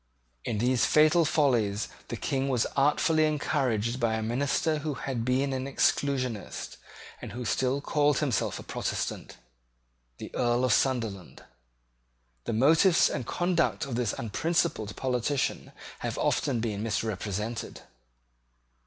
In these fatal follies the King was artfully encouraged by a minister who had been an Exclusionist, and who still called himself a Protestant, the Earl of Sunderland. The motives and conduct of this unprincipled politician have often been misrepresented.